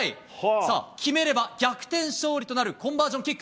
さあ、決めれば逆転勝利となるコンバージョンキック。